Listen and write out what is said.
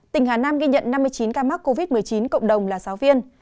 tỉnh hà nam ghi nhận năm mươi chín ca mắc covid một mươi chín cộng đồng là giáo viên